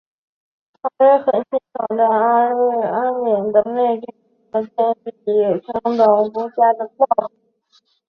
加瑞根很欣赏阿敏的魅力和建立平等国家的抱负。